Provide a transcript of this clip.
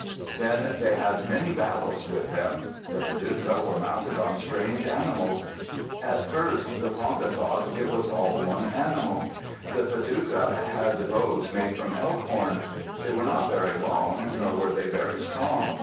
Then they had many battles with them. The Padouca were mounted on strange animals. At first the Ponca thought it was all one animal. The Padouca had bows made from elk horn. They were not very long, nor were they very strong.